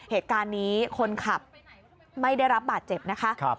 เหตุการณ์นี้คนขับไม่ได้รับบาดเจ็บนะคะ